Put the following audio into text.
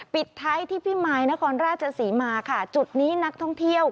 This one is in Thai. ปิดไทรที่พี่ไมนท์นะคราจศรีมาจุดนี้นักท่องเที่ยว